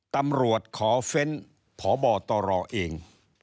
ตำรวจขอเฟ้นผ่อบ่อต่อรอเอง